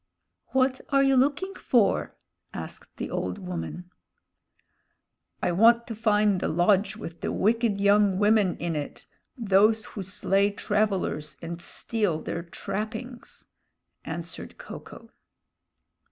"What are you looking for?" asked the old woman. "I want to find the lodge with the wicked young women in it, those who slay travelers and steal their trappings," answered Ko ko.